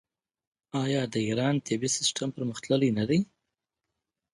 آیا د ایران طبي سیستم پرمختللی نه دی؟